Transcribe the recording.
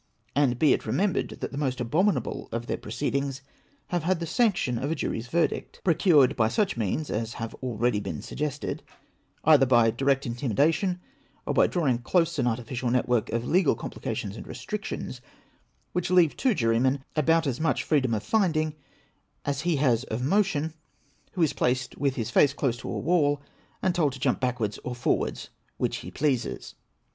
And, be it remembered that the most abominable of their pro ceedings have had the sanction of a jury's verdict, procured by such means as have alread}^ been suggested ; either by direct intimidation, or by drawing close an artificial network of legal complications and restrictions, which leave to jury men about as much freedom of finding as he has of motion who is placed with his face close to a wall, and told to jump backwards or forwards, which he pleases.